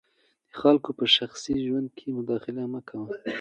د خلګو په شخصي ژوند کي مداخله مه کوه.